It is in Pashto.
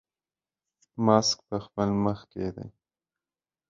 ماسک په خپل مخ کېږدئ.